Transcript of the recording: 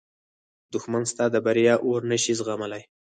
دښمن ستا د بریا اور نه شي زغملی